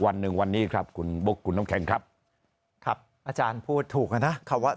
วันนึงวันนี้ครับคุณบุกลงแข่งครับอาจารย์พูดถูกนะคำว่า